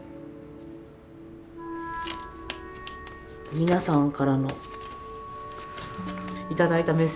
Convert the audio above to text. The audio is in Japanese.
皆さんから頂いたメッセージカードで。